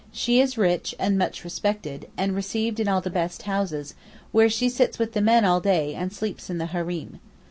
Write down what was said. She is rich and much respected, and received in all the best houses, where she sits with the men all day and sleeps in the hareem.